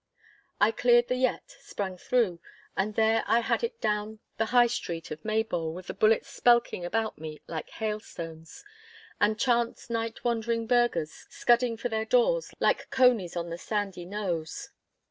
I cleared the yett, sprang through, and there I had it down the High Street of Maybole with the bullets spelking about me like hailstones, and chance night wandering burghers scudding for their doors like conies on the sandy knowes.